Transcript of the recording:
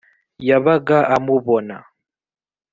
yabaga amubona